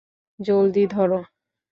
জলদি, ধর।